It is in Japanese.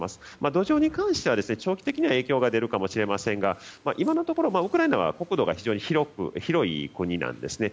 土壌に関しては長期的に影響が出るかもしれませんがウクライナは国土が非常に広い国なんですね。